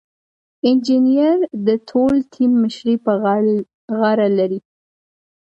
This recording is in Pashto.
انجینر د ټول ټیم مشري په غاړه لري.